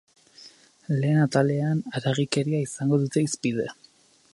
Lehen atalean haragikeria izango dute hizpide.